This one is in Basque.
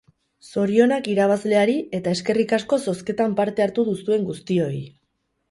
Zorionak irabazleari eta eskerrik asko zozketan parte hartu duzuen guztioi!